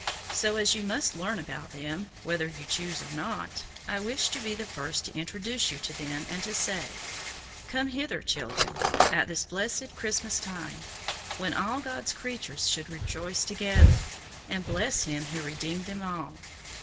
So as you must learn about them, whether you choose or not, I wish to be the first to introduce you to them, and to say, 'Come hither, children, at this blessed Christmas time, when all God's creatures should rejoice together, and bless Him who redeemed them all.